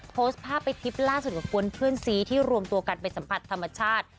โพสต์ภาพเป็นคลิปล่าสุดกับกวนเพื่อนซีที่รวมตัวกันไปสัมผัสธรรมชาติ